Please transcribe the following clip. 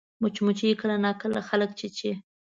مچمچۍ کله ناکله خلک چیچي